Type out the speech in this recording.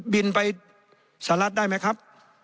บินไปสหรัฐได้ไหมครับ